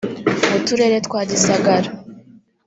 mu turere twa Gisagara